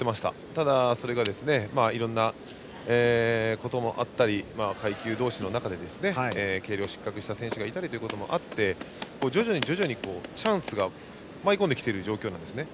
ただ、それがいろんなこともあったり階級同士の中で計量で失格した選手もいたりということもあって徐々にチャンスが舞い込んできている状況なんですね。